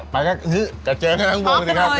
ไปแล้วก็เจอกันทั้งปวงเลยครับ